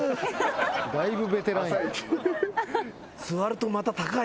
だいぶベテランや。